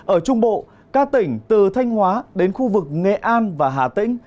ở trung bộ các tỉnh từ thanh hóa đến khu vực nghệ an và hà tĩnh